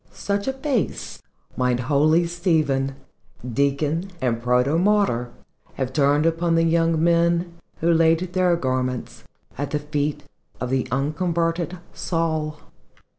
Such a face might holy Stephen, Deacon and Protomartyr, have turned upon the young men who laid their garments at the fee of the unconverted Saul.